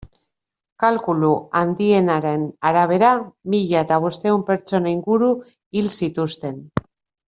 Kalkulu handienaren arabera, mila eta bostehun pertsona inguru hil zituzten.